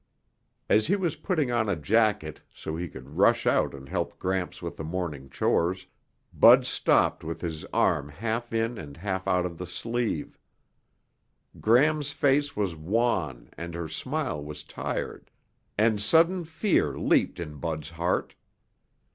As he was putting on a jacket so he could rush out and help Gramps with the morning chores, Bud stopped with his arm half in and half out of the sleeve. Gram's face was wan and her smile was tired, and sudden fear leaped in Bud's heart.